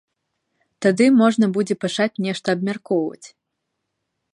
Тады можна будзе пачаць нешта абмяркоўваць.